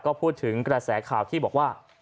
ก็พูดถึงกระแสข่าวที่บอกว่า